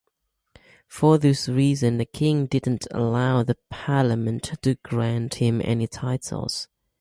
For this reason, the king didn't allow the parliament to grant him any titles.